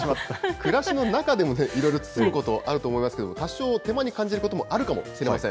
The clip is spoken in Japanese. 暮らしの中でもいろいろ包むこと、あると思いますけれども、多少、手間に感じることもあるかもしれません。